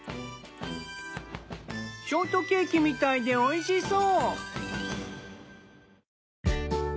ショートケーキみたいでおいしそう。